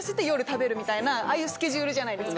みたいなああいうスケジュールじゃないですか。